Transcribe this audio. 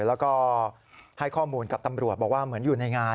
แล้วก็ให้ข้อมูลกับตำรวจบอกว่าเหมือนอยู่ในงาน